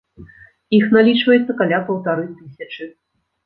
Іх налічваецца каля паўтары тысячы.